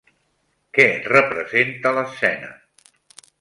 Què representa l'escena?